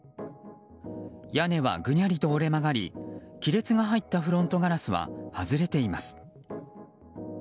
屋根はぐにゃりと折れ曲がり亀裂が入ったフロントガラスは外れています。